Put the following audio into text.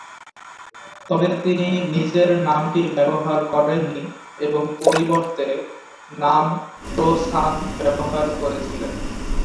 তবে তিনি নিজের নামটি ব্যবহার করেননি এবং পরিবর্তে নাম ডো-সান নামটি ব্যবহার করেছিলেন।